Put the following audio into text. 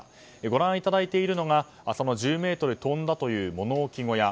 ご覧いただいているのがその１０ｍ飛んだという物置小屋。